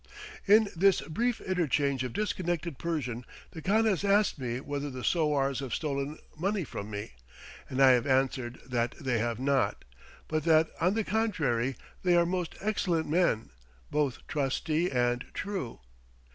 In this brief interchange of disconnected Persian the khan has asked me whether the sowars have stolen money from me, and I have answered that they have not, but that, on the contrary, they are most excellent men, both "trustie and true."